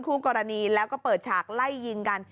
คู่กรณีแล้วก็เปิดฉากไล่ยิงกัน